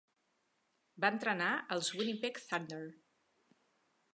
Va entrenar els Winnipeg Thunder.